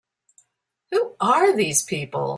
Who are these people?